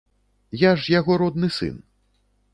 Я ж яго родны сын.